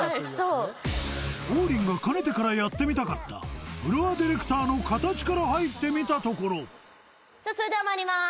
そう王林がかねてからやってみたかったフロアディレクターの形から入ってみたところそれではまいります